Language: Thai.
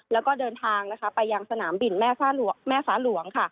แล้วก็เดินทางไปยังสนามบินแม่ฟ้าหลวง